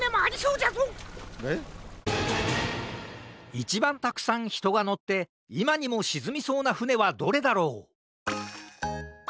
いちばんたくさんひとがのっていまにもしずみそうなふねはどれだろう？